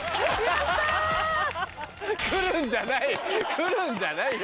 来るんじゃないよ